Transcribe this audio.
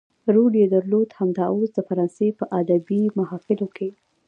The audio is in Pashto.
رول يې درلود همدا اوس د فرانسې په ادبي محافلو کې.